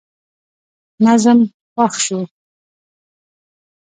نظم خوښ شو.